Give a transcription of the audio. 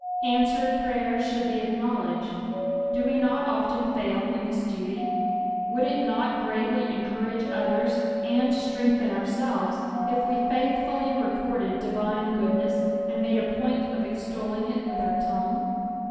Answered prryers should be acknowledged. Do we not often fail in this duty ! Would it not greatly encourage others, nnd strengthen ourselves, if we faithfully recorded divine goodness, and made a point of extolling it with our tongue